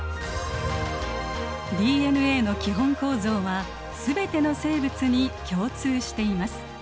ＤＮＡの基本構造は全ての生物に共通しています。